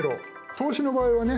投資の場合はね